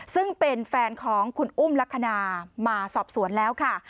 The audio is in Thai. ซึ่งเป็นแฟนของคุณอุ้มลักษณะมาสอบสวนแล้วค่ะ